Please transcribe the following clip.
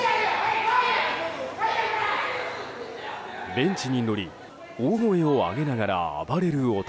ベンチに乗り大声を上げながら暴れる男。